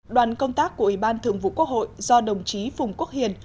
đoàn công tác của ủy ban thường vụ quốc hội do đồng chí phùng quốc hiền